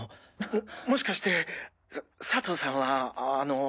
ももしかして佐藤さんはあの。